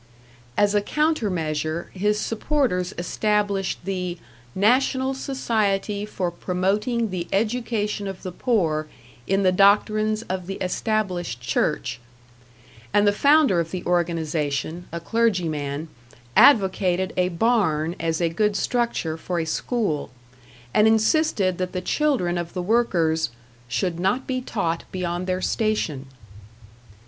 As a counter measure, his supporters established the "National Society for Promoting the Education of the Poor in the Doctrines of the Established Church"; and the founder of the organization, a clergyman, advocated a barn as a good structure for a school, and insisted that the children of the workers "should not be taught beyond their station."